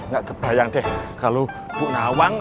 nggak kebayang deh kalau bu nawang